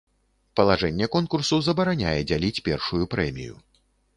Палажэнне конкурсу забараняе дзяліць першую прэмію.